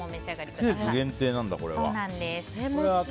季節限定なんだ、これは。